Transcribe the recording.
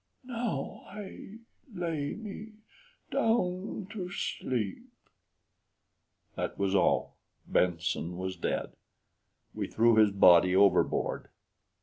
"Now I lay me down to sleep" That was all; Benson was dead. We threw his body overboard.